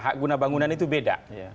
hak guna bangunan itu beda